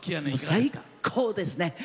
最高ですね。